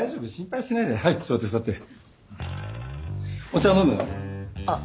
お茶飲む？あっ。